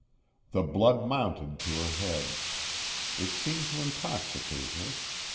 The blood mounted to her head. It seemed to intoxicate her.